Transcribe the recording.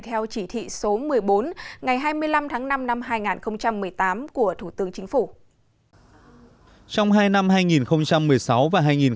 theo chỉ thị số một mươi bốn ngày hai mươi năm tháng năm năm hai nghìn một mươi tám của thủ tướng chính phủ